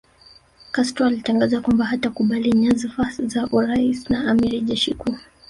Castro alitangaza kwamba hatakubali nyazfa za urais na amiri jeshi mkuu